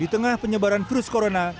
di tengah penyebaran virus corona